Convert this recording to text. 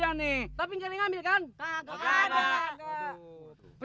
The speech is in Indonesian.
jangan pergi sama aku